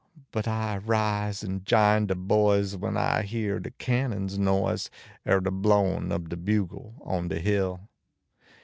lUit I rise en jine de boys when I hear de cannon s noise. Kr de blowiif ob de bugle on de hill.